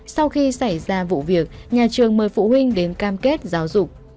sau khi xảy ra vụ việc nhà trường mời phụ huynh đến cam kết giáo dục